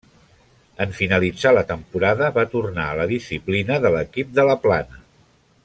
En finalitzar la temporada va tornar a la disciplina de l'equip de La Plana.